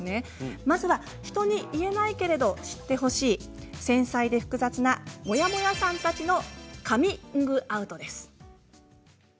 まずは人には言えないけれど知ってほしい繊細で複雑なモヤモヤさんたちのカミングアウトです。